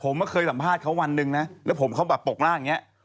ผมมาเคยสัมภาษณ์เขาวันหนึ่งนะแล้วผมเขาแบบปกร่างอย่างนี้